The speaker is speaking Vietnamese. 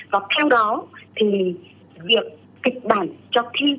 và theo đó thì việc kịch bản cho thi